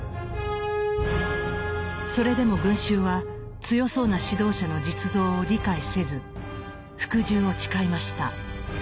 それでも群衆は強そうな指導者の実像を理解せず服従を誓いました。